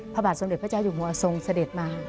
พระบาทสมเด็จพระเจ้าอยู่หัวทรงเสด็จมา